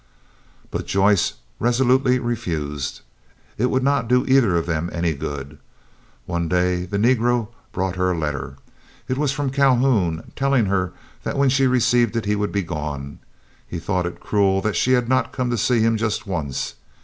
But Joyce resolutely refused. It would not do either of them any good. One day the negro brought her a letter. It was from Calhoun, telling her that when she received it he would be gone. He thought it cruel that she had not come to see him just once.